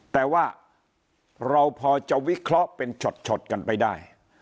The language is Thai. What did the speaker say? แต่ว่าเราพอจะวิเคราะห์เป็นช็อตกันไปได้